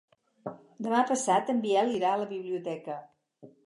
Demà passat en Biel irà a la biblioteca.